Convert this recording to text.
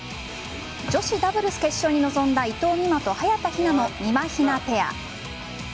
女子ダブルス決勝に臨んだ伊藤美誠と早田ひなのみまひなペア。